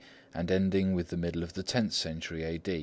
and ending with the middle of the tenth century A.